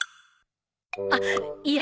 あっいや